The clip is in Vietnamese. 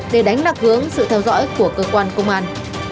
để đánh lạc hướng sự theo dõi của cơ quan công an